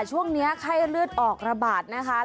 ช่วงนี้ไข้เลือดออกระบาดนะคะ